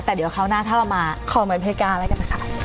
แต่เดี๋ยวคราวหน้าถ้าเรามาคอมเมอร์เพกาแล้วกันนะคะ